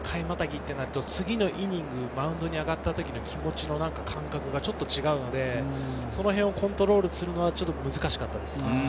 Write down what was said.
またぎとなると次、マウンドに上がった時の気持ちと感覚がちょっと違うので、そのへんコントロールするのが難しかったです。